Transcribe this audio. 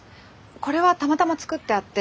これはたまたま作ってあって。